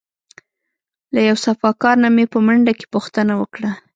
له یو صفاکار نه مې په منډه کې پوښتنه وکړه.